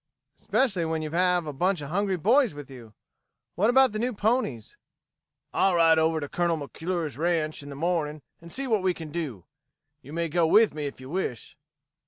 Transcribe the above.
"Especially when you have a bunch of hungry boys with you. What about the new ponies?" "I'll ride over to Colonel McClure's ranch in the morning and see what we can do. You may go with me if you wish."